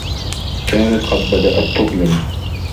كانت قد بدأت تظلم.